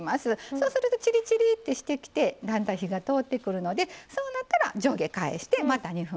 そうするとチリチリってしてきてだんだん火が通ってくるのでそうなったら上下返してまた２分ぐらい焼いて下さい。